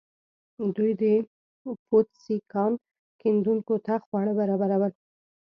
دوی د پوتسي کان کیندونکو ته خواړه برابرول.